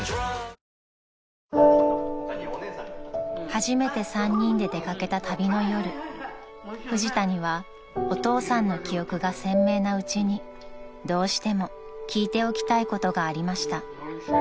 ［初めて３人で出掛けた旅の夜フジタにはお父さんの記憶が鮮明なうちにどうしても聞いておきたいことがありました］